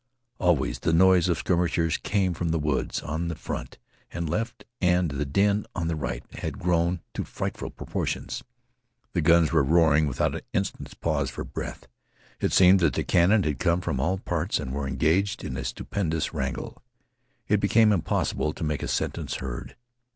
Always the noise of skirmishers came from the woods on the front and left, and the din on the right had grown to frightful proportions. The guns were roaring without an instant's pause for breath. It seemed that the cannon had come from all parts and were engaged in a stupendous wrangle. It became impossible to make a sentence heard.